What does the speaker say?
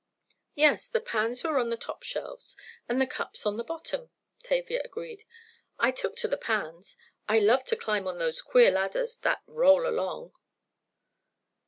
"Yes, the pans were on the top shelves and the cups on the bottom," Tavia agreed. "I took to the pans—I love to climb on those queer ladders that roll along!"